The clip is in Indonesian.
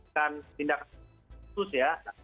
kan tindakan khusus ya